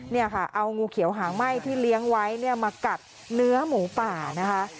เนี่ยค่ะเอางูเขียวหางไหม้ที่เลี้ยงไว้เนี่ยมากัดเนื้อหมูป่านะคะ